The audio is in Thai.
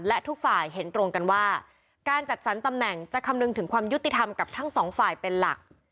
และทุกฝ่ายเห็นตรงกันว่าการจัดสรรตำแหน่งจะคำนึงถึงความยุติธรรมกับทั้งสองฝ่ายเป็นหลัก